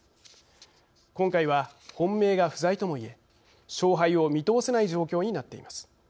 今回は、本命が不在とも言え勝敗を見通せない状況になっています。